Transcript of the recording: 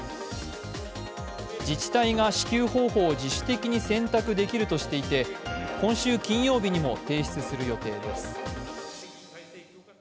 自治体が支給方法を自主的に選択できるとしていて今週金曜日にも提出する予定です。